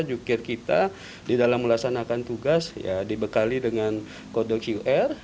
jukir kita di dalam melaksanakan tugas ya dibekali dengan kode qr